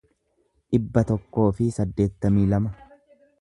dhibba tokkoo fi saddeettamii lama